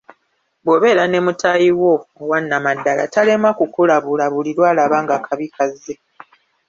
Bw’obeera ne mutaayi wo owannamaddala talema kukulabula buli lwalaba nga akabi kazze.